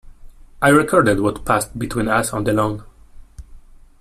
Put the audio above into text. I recorded what passed between us on the lawn.